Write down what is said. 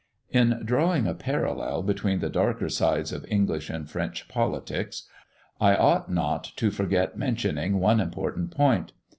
In drawing a parallel between the darker sides of English and French politics, I ought not to forget mentioning one important point.